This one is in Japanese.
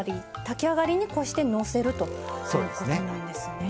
炊き上がりにこうしてのせるということなんですね。